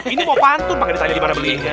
ini mau pantun panggilnya gimana belinya